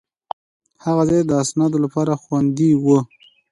هغه ځای د اسنادو لپاره خوندي و.